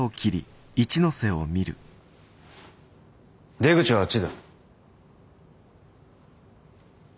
出口はあっちだ。